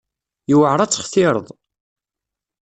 Yewɛer ad textireḍ.